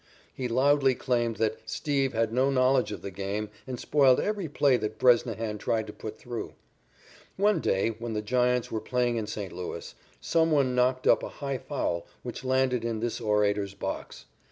He loudly claimed that "Steve" had no knowledge of the game and spoiled every play that Bresnahan tried to put through. One day, when the Giants were playing in St. Louis, some one knocked up a high foul which landed in this orator's box.